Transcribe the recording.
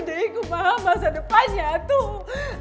deh kumahai masa depannya tuh